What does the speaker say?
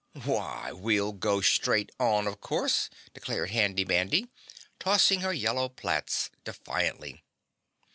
"Why, we'll go straight on, of course," declared Handy Mandy, tossing her yellow plaits defiantly.